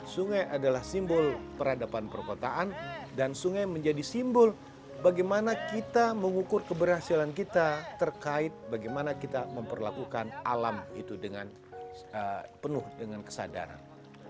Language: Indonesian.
sungai adalah simbol peradaban perkotaan dan sungai menjadi simbol bagaimana kita mengukur keberhasilan kita terkait bagaimana kita memperlakukan alam itu dengan penuh dengan kesadaran